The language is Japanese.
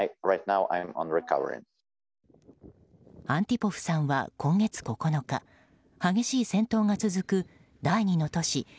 アンティポフさんは今月９日激しい戦闘が続く第２の都市